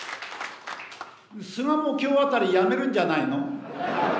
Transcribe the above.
菅も今日あたり辞めるんじゃないの。